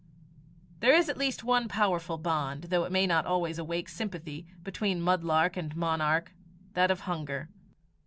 There is at least one powerful bond, though it may not always awake sympathy, between mudlark and monarch that of hunger.